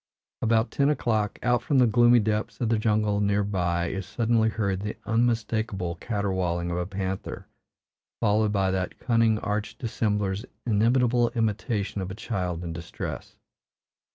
About ten o'clock, out from the gloomy depths of the jungle near by is suddenly heard the unmistakable caterwauling of a panther, followed by that cunning arch dissembler's inimitable imitation of a child in distress.